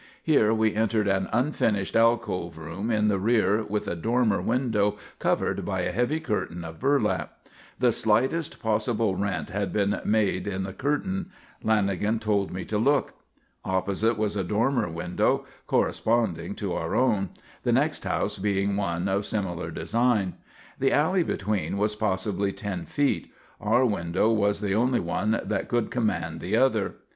Here we entered an unfinished alcove room in the rear with a dormer window covered by a heavy curtain of burlap. The slightest possible rent had been made in the curtain. Lanagan told me to look. Opposite was a dormer window corresponding to our own, the next house being one of similar design. The alley between was possibly ten feet. Our window was the only one that could command the other.